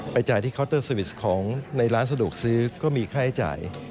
จ่ายที่เคาน์เตอร์สวิสของในร้านสะดวกซื้อก็มีค่าใช้จ่าย